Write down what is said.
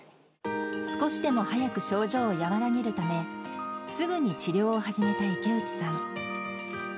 少しでも早く症状を和らげるため、すぐに治療を始めた池内さん。